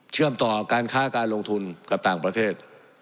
ต่อการค้าการลงทุนกับต่างประเทศ